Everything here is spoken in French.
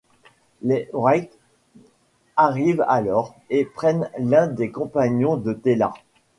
Les Wraiths arrivent alors et prennent l'un des compagnons de Teyla.